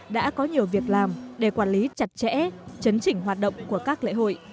đã có nhiều việc làm để quản lý chặt chẽ chấn chỉnh hoạt động của các lễ hội